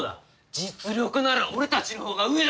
実力なら俺たちのほうが上だ！